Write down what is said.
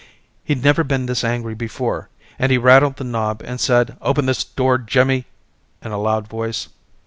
He'd never been this angry before and he rattled the knob and said open this door Jimmy in a loud voice.